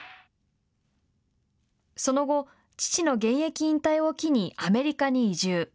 その後、父の現役引退を機にアメリカに移住。